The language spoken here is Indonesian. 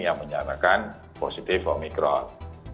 yang menyatakan positif omikron